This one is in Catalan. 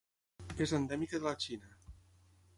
És endèmica de la Xina.